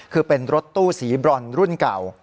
คือเป็นรถตู้สีบรอนรุ่นเก่า